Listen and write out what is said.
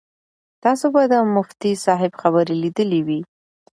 تاسو به د مفتي صاحب خبرې لیدلې وي.